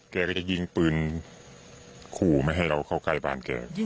แกก็จะยิงปืนขู่ไม่ให้เราเข้าใกล้บ้านแก